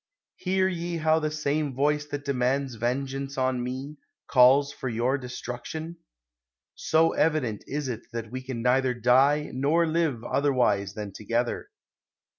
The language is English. Hear ye how the same voice that demands vengeance on me, calls for your destruction ? So evident is it that we can neither die nor live otherwise than together.